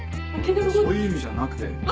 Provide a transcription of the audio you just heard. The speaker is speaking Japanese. そういう意味じゃなくて。